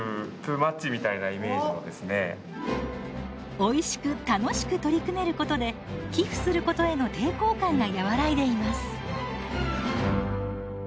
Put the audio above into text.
おいしく楽しく取り組めることで寄付することへの抵抗感が和らいでいます。